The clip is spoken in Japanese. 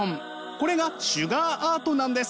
これがシュガーアートなんです。